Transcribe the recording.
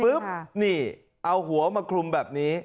นี่เอาหัวมาคลุมแบบนี้